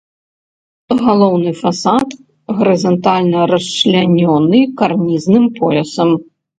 Галоўны фасад гарызантальна расчлянёны карнізным поясам.